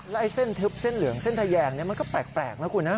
แล้วไอ้เส้นทึบเส้นเหลืองเส้นทะแยงมันก็แปลกนะคุณนะ